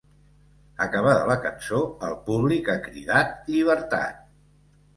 Acabada la cançó, el públic ha cridat ‘Llibertat’.